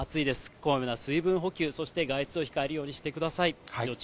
こまめな水分補給、そして外出を控えるようにしてください。